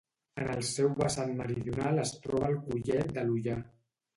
En el seu vessant meridional es troba el Collet de l'Ullar.